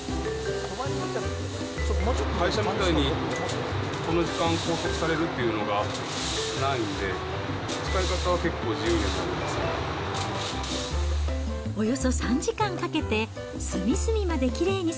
会社みたいにこの時間拘束されるっていうのがないんで、使い方は結構自由になりますね。